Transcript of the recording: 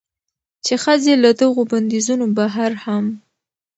چې ښځې له دغو بندېزونو بهر هم